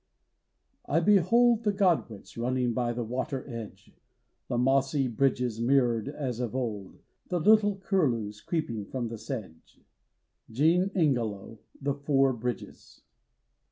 _) —I behold The godwits running by the water edge, The mossy bridges mirrored as of old; The little curlews creeping from the sedge. —Jean Ingelow, "The Four Bridges."